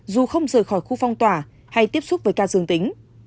dù không rời khỏi khu phong tỏa hay tiếp xúc với ca dương tính